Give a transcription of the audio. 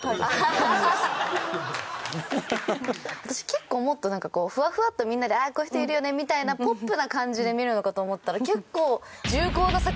私結構もっとふわふわっとみんなでこういう人いるよねみたいなポップな感じで見るのかと思ったら結構重厚な作品が続いて。